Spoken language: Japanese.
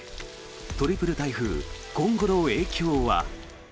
トリプル台風、今後の影響は。